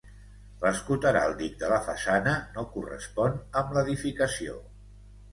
L'escut heràldic de la façana no correspon amb l'edificació.